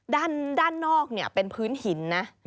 ด้านนอกเป็นพื้นหินนะ